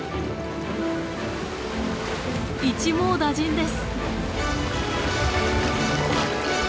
一網打尽です。